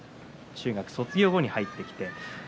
中学卒業後に入ってきました。